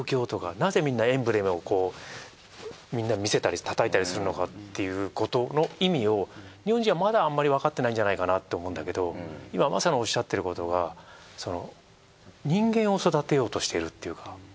なぜみんなエンブレムをみんな見せたり叩いたりするのかっていうことの意味を日本人はまだあんまりわかってないんじゃないかなって思うんだけど今まさにおっしゃってることが人間を育てようとしてるっていうか。